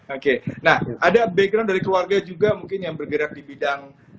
oke nah ada background dari keluarga juga mungkin yang bergerak di bidang